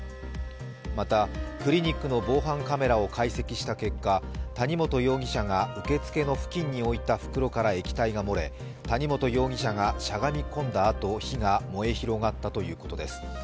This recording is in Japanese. また、クリニックの防犯カメラを解析した結果、谷本容疑者が受け付けの付近に置いた袋から液体が漏れ谷本容疑者がしゃがみ込んだあと火が燃え広がったということです。